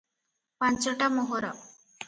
ପାଞ୍ଚଟା ମୋହର ।